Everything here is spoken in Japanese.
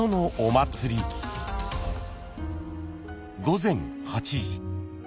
［午前８時］